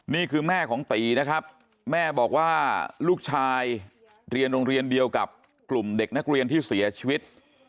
นี่คือแม่ของตีนะครับแม่บอกว่าลูกชายเรียนโรงเรียนเดียวกับกลุ่มเด็กนักเรียนที่เสียชีวิต